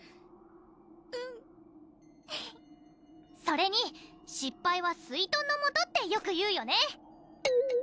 うんそれに「失敗はスイトンのもと」ってよく言うよね！